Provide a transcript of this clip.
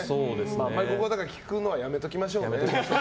あんまりここは聞くのはやめておきましょうかね。